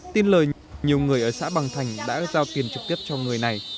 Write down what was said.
tin lời nhiều người ở xã bằng thành đã giao tiền trực tiếp cho người này